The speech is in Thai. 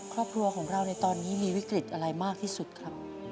ครอบครัวของเราในตอนนี้มีวิกฤตอะไรมากที่สุดครับ